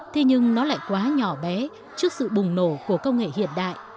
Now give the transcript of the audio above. thế nhưng nó lại quá nhỏ bé trước sự bùng nổ của công nghệ hiện đại